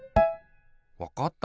わかった！